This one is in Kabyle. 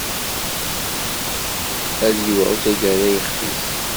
Ad yewɛu taggara ixef-is.